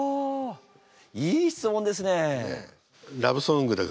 いい質問ですね。